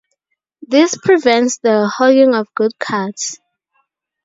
This prevents the hogging of good cards.